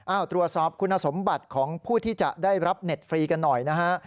ตรวจสอบคุณสมบัติของผู้ที่จะได้รับเน็ตฟรีกันหน่อยนะฮะ